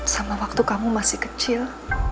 sama waktu kamu masih kecil